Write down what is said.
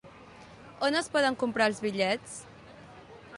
On es poden comprar els bitllets?